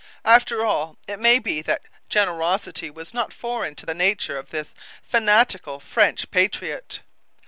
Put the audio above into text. After all, it may be that generosity was not foreign to the nature of this fanatical French patriot.